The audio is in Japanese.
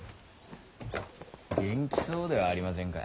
元気そうではありませんか。